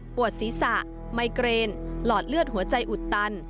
ศีรษะไมเกรนหลอดเลือดหัวใจอุดตัน